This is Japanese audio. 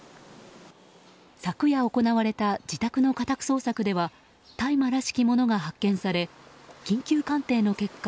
昨夜行われた自宅の家宅捜索では大麻らしきものが発見され緊急鑑定の結果